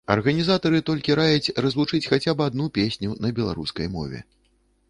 Арганізатары толькі раяць развучыць хаця б адну песню на беларускай мове.